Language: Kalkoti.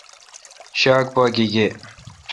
شاک پا گیگے°